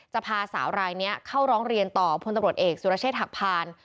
พาสาวรายนี้เข้าร้องเรียนต่อพลตำรวจเอกสุรเชษฐหักพาน